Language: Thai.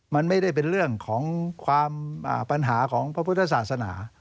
มันไม่ได้เป็นเรื่องของความปัญหาของพระพุทธศาสนา